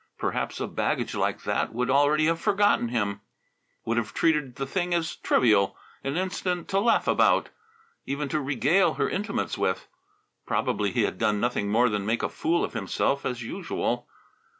Perhaps a baggage like that would already have forgotten him; would have treated the thing as trivial, an incident to laugh about, even to regale her intimates with. Probably he had done nothing more than make a fool of himself as usual.